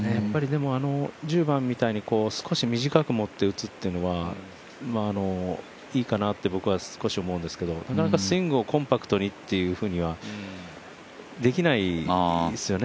１０番みたいに少し短く持って打つっていうのがいいかなって僕は少し思うんですけどスイングをコンパクトにっていうのはできないんですよね。